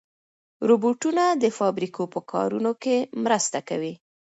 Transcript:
روبوټونه د فابریکو په کارونو کې مرسته کوي.